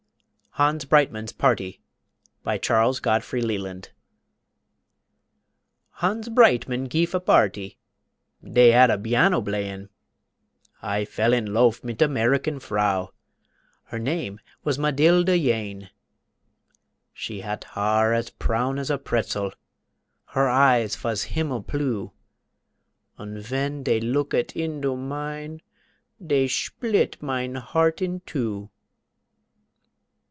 HANS BREITMANN'S PARTY BY CHARLES GODFREY LELAND Hans Breitmann gife a barty, Dey had biano blayin; I felled in lofe mit a Merican frau, Her name vas Madilda Yane. She hat haar as prown ash a pretzel, Her eyes vas himmel plue, Und ven dey looket indo mine, Dey shplit mine heart in two.